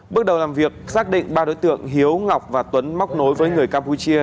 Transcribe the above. bước đầu làm việc xác định ba đối tượng hiếu ngọc và tuấn móc nối với người campuchia